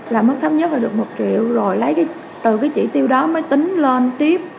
là mức thấp nhất là được một triệu rồi lấy từ cái chỉ tiêu đó mới tính lên tiếp